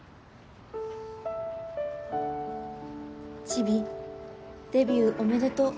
ちびデビューおめでとう